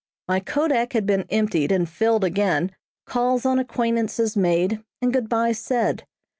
My kodak had been emptied and filled again, calls on acquaintances made, and good byes said.